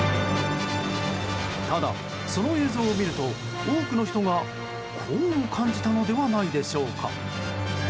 ただ、その映像を見ると多くの人がこうも感じたのではないでしょうか。